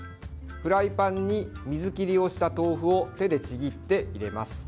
フライパンに水切りをした豆腐を手でちぎって入れます。